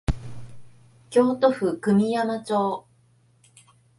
京都府久御山町